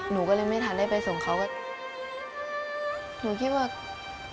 หนูก็เลยไม่ทันได้ไปส่งเขาก็หนูคิดว่าที่นี่คือที่ใส่